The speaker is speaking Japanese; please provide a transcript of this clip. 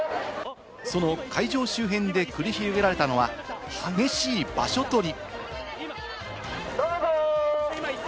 その会場周辺で繰り広げられたのは激しい場所取り。